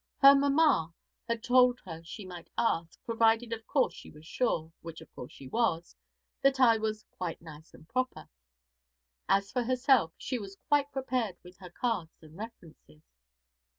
Her "mamma" had told her she might ask, provided of course she was sure, which of course she was, that I was "quite nice and proper." As for herself, she was quite prepared with her cards and references.'